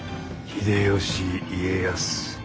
秀吉家康